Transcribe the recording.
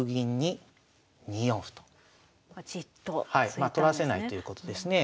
まあ取らせないということですね。